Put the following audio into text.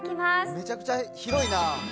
めちゃくちゃ広いな。